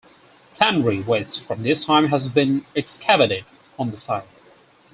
Tannery waste from this time has been excavated on the site.